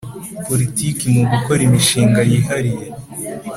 politiki mu gukora imishinga yihariye